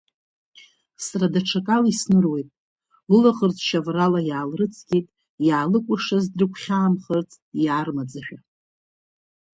Сара даҽакала исныруеит, лылаӷырӡ чаврала иаалрыцқьеит, иаалыкәыршаз дрыгәхьаамхарц, иаармаӡашәа.